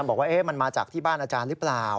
บอกว่ามันมาจากที่บ้านอาจารย์หรือเปล่า